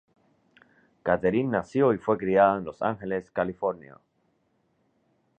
Katherine nació y fue criada en Los Ángeles, California.